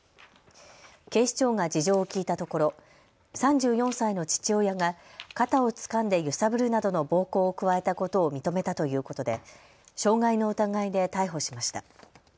警視庁が事情を聴いたところ３４歳の父親が肩をつかんで揺さぶるなどの暴行を加えたことを認めたということで傷害の疑いで逮捕しました。